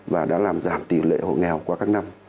và đã làm giảm tỷ lệ hộ nghèo qua các năm